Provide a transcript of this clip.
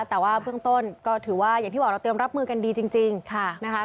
แต่ว่าเบื้องต้นก็ถือว่าอย่างที่บอกเราเตรียมรับมือกันดีจริงนะคะ